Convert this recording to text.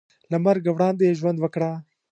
له مرګه وړاندې ژوند وکړه .